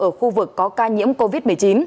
ở khu vực có ca nhiễm covid một mươi chín